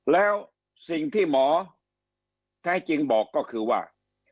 แล้วสิ่งที่หมอแท้จริงบอกก็คือว่า